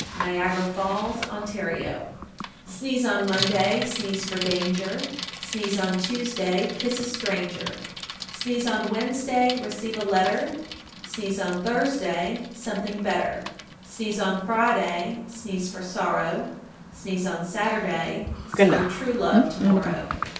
Niagara Falls, Ont. 1429. Sneeze on Monday, sneeze for danger, Sneeze on Tuesday, kiss a stranger, Sneeze on Wednesday, receive a letter, Sneeze on Thursday, something better, Sneeze on Friday, sneeze for sorrow, Sneeze on Saturday, see your true love to morrow.